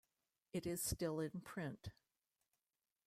It is still in print.